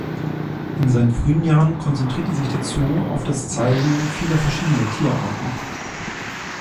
In seinen frühen Jahren konzentrierte sich der Zoo auf das Zeigen vieler verschiedener Tierarten.